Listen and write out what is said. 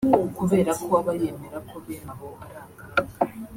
kubera ko aba yemera ko bene abo ari akaga